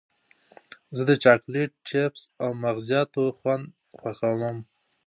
زه د چاکلېټ، چېپس او مغزیاتو خوند خوښوم.